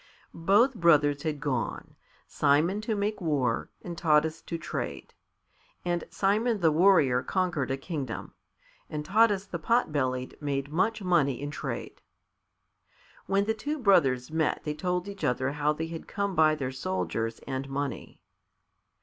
Both brothers had gone Simon to make war and Taras to trade. And Simon the Warrior conquered a kingdom, and Taras the Pot bellied made much money in trade. When the two brothers met they told each other how they had come by their soldiers and money.